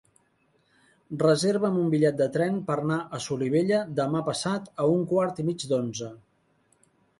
Reserva'm un bitllet de tren per anar a Solivella demà passat a un quart i mig d'onze.